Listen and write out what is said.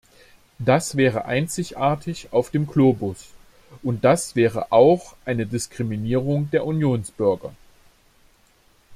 Das wäre einzigartig auf dem Globus, und das wäre auch eine Diskriminierung der Unionsbürger.